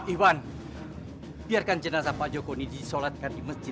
iwan biarkan jenazah pak joko ini disolatkan di masjid